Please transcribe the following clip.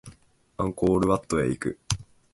アンコールワットへ行く